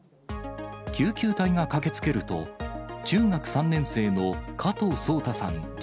救急隊が駆けつけると、中学３年生の加藤颯太さん